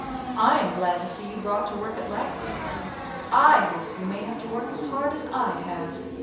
I am glad to see you brought to work at last. I hope you may have to work as hard as I have.